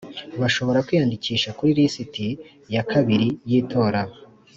Bashobora kwiyandikisha kuri lisiti ya kabiri yitora